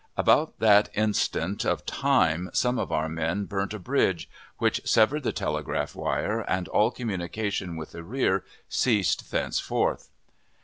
About that instant of time, some of our men burnt a bridge, which severed the telegraph wire, and all communication with the rear ceased thenceforth.